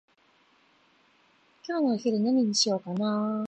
今日のお昼何にしようかなー？